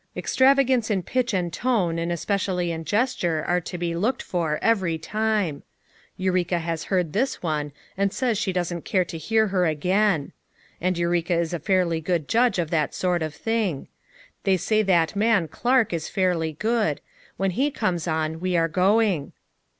Extrava gance in pitcli and tone and especially in ges ture are to be looked for, every time. Eureka has heard this one and says she doesn't care to 76 FOUK MOTHEKS AT CHAUTAUQUA hear her again; and Eureka is a fairly good judge of that sort of thing. They say that man, Clark, is fairly good; when he comes on, we are going.